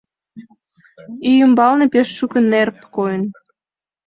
Ий ӱмбалне пеш шуко нерп койын.